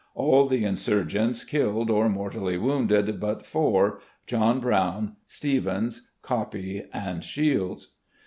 All the insurgents killed or mortally wounded, but four, John Brown, Stevens, Coppie, and Shields."